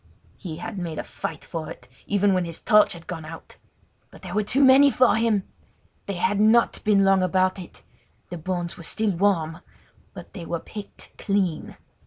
He had made a fight for it, even when his torch had gone out. But they were too many for him! They had not been long about it! The bones were still warm; but they were picked clean.